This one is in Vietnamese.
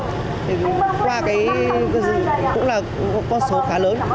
thì qua cái cũng là con số khá lớn